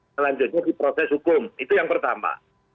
selanjutnya di proses hukum itu yang pertama